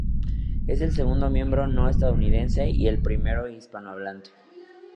Es el segundo miembro no estadounidense y el primero hispanohablante.